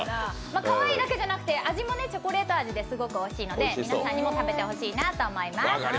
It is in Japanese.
かわいいだけじゃなくて、味もチョコレート味ですごくおいしいので皆さんにも食べていただきたいなと思います。